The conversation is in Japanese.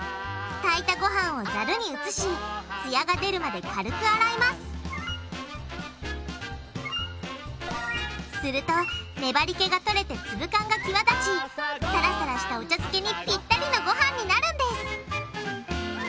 炊いたごはんをざるに移しつやが出るまで軽く洗いますするとねばり気が取れて粒感が際立ちサラサラしたお茶漬けにピッタリのごはんになるんです！